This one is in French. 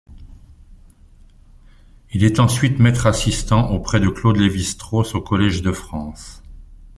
Il est ensuite maître-assistant auprès de Claude Lévi-Strauss au Collège de France.